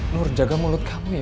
nur jaga mulut kamu ya